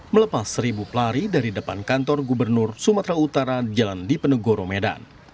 melepas seribu pelari dari depan kantor gubernur sumatera utara jalan dipenegoro medan